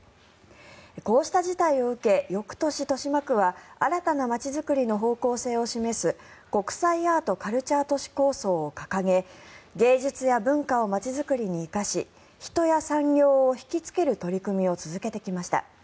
こうした事態を受け翌年、豊島区は新たな街づくりの方向性を示す国際アート・カルチャー都市構想を掲げ芸術や文化を街づくりに生かし人や産業を引きつける取り組みを続けてきました。